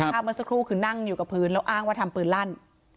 เมื่อสักครู่คือนั่งอยู่กับพื้นแล้วอ้างว่าทำปืนลั่น